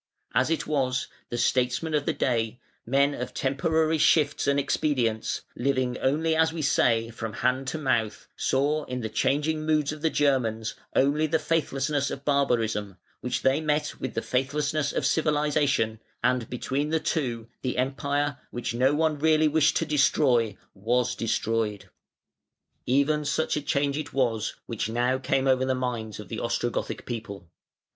As it was, the statesmen of the day, men of temporary shifts and expedients, living only as we say "from hand to mouth", saw, in the changing moods of the Germans, only the faithlessness of barbarism, which they met with the faithlessness of civilisation, and between the two the Empire which no one really wished to destroy was destroyed. Even such a change it was which now came over the minds of the Ostrogothic people.